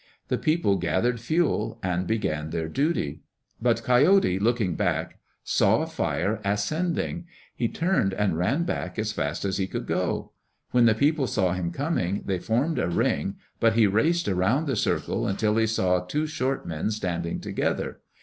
The people gathered fuel and began their duty. But Coyote, looking back, saw fire ascending. He turned and ran back as fast as he could go. When the people saw him coming, they formed a ring, but he raced around the circle until he saw two short men standing together.